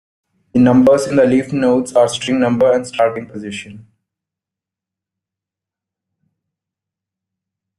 The numbers in the leaf nodes are string number and starting position.